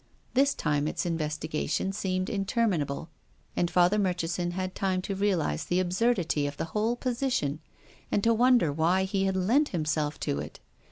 This time its investigation seemed interminable, and Father Murchisonhad time to realise the absurd ity of the whole position, and to wonder why he had lent himself to it.